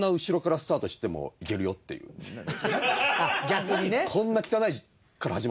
逆にね。